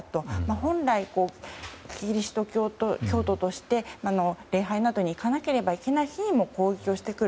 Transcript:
本来、キリスト教徒として礼拝などに行かなければいけない日にも攻撃をしてくる。